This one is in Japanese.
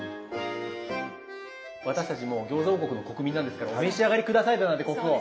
私たちもう餃子王国の国民なんですから「お召し上がり下さい」だなんて国王。